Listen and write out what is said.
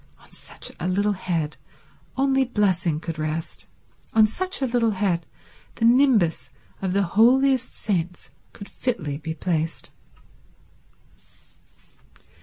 On such a little head only blessing could rest, on such a little head the nimbus of the holiest saints could fitly be placed.